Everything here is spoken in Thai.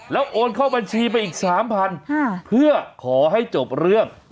แล้วโอนเข้าบัญชีไปอีก๓๐๐บาทเพื่อขอให้จบเรื่อง